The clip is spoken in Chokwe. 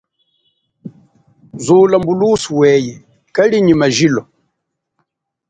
Zula mbulusu weye kali nyi majilo.